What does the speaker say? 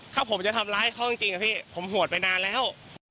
ถ้าผมจะทำร้ายเขาจริงอะพี่ผมโหดไปนานแล้ว